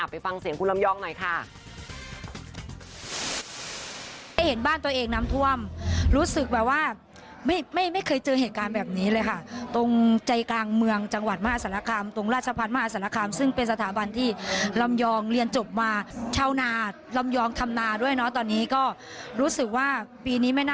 ไปฟังเสียงคุณลำยองหน่อยค่ะ